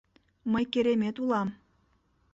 Мый Керемет улам.